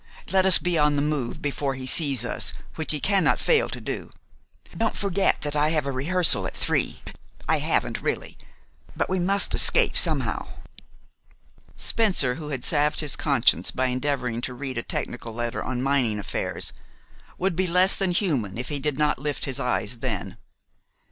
Let us be on the move before he sees us, which he cannot fail to do. Don't forget that I have a rehearsal at three. I haven't, really; but we must escape somehow." Spencer, who had salved his conscience by endeavoring to read a technical letter on mining affairs, would be less than human if he did not lift his eyes then.